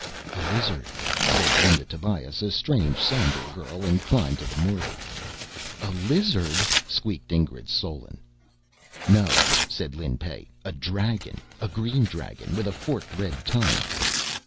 "A lizard," said Linda Tobias, a strange, somber girl, inclined to the morbid. "A lizard?" squeaked Ingrid Solin. "No," said Lin Pey, "a dragon. A green dragon, with a forked red tongue...."